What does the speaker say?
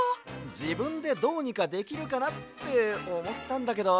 じぶんでどうにかできるかなっておもったんだけど。